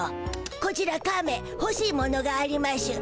こちらカメほしいものがありましゅ。